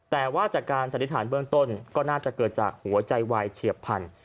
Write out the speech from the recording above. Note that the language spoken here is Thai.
แต่ว่าจากการสันนิษฐานเบื้องต้นก็น่าจะเกิดจากหัวใจวายเฉียบพันธุ